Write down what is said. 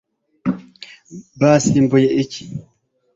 basimbuye iki